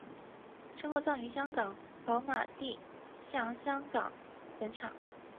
身后葬于香港跑马地西洋香港坟场。